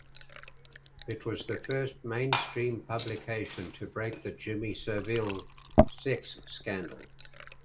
It was the first mainstream publication to break the Jimmy Savile sex scandal.